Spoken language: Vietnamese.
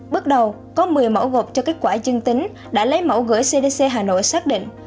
bước đầu có một mươi mẫu gộp cho kết quả dương tính đã lấy mẫu gửi cdc hà nội xác định